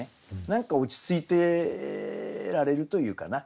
何か落ち着いてられるというかな。